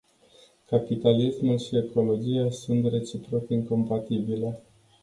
Capitalismul și ecologia sunt reciproc incompatibile.